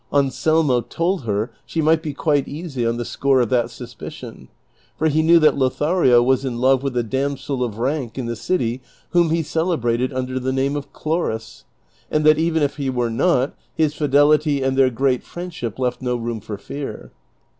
Anselmo told her slie might be quite easy on the score of that suspicion, for he knew that J.,othario was in love with a damsel of rank in the city whom he celebrated under the name of Chloris, and that even if he were not, his tldelity and their great friendship left no room for fear.